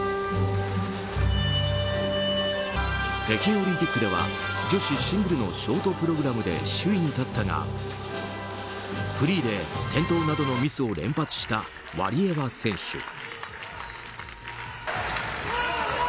北京オリンピックでは女子シングルのショートプログラムで首位に立ったがフリーで転倒などのミスを連発したワリエワ選手。